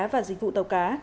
và dịch vụ tàu cá